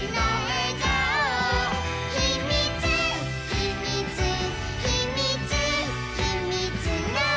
「ひみつひみつひみつひみつの」